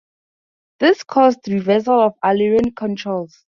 This caused reversal of aileron controls.